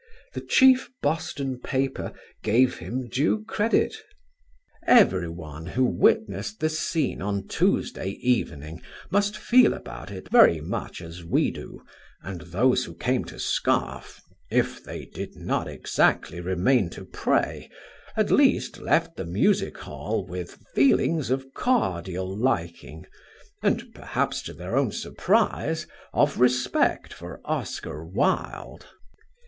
The chief Boston paper gave him due credit: "Everyone who witnessed the scene on Tuesday evening must feel about it very much as we do, and those who came to scoff, if they did not exactly remain to pray, at least left the Music Hall with feelings of cordial liking, and, perhaps to their own surprise, of respect for Oscar Wilde."